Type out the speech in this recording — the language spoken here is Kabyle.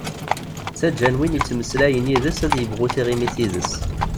Ttaǧǧan win yettmeslayen yid-s ad yebɣu tiɣimit yid-s.